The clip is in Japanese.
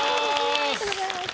ありがとうございます。